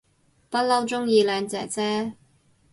不嬲鍾意靚姐姐